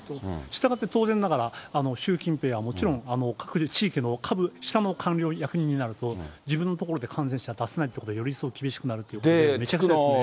したがって、当然ながら、習近平はもちろん、確実に地域の下部、下の官僚、役人になると、自分のところで感染者出せないということで、より厳しくなるということで、めちゃくちゃですね。